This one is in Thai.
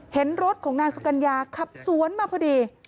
เห็นรถของนางสุกัญญาขับสวนมาพอดี